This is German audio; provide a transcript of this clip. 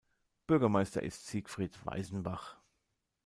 Bürgermeister ist Siegfried Weißenbach.